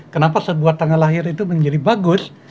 kenapa sebuah tanggal lahir itu menjadi bagus